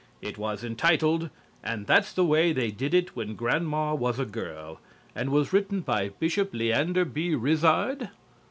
It was entitled, "And That's the Way They Did It When Grandma Was a Girl," and was written by Bishop Leander B. Rizzard.